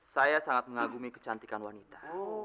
saya sangat mengagumi kecantikan wanita